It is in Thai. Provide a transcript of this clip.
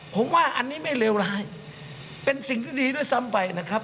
ผมว่าอันนี้ไม่เลวร้ายเป็นสิ่งที่ดีด้วยซ้ำไปนะครับ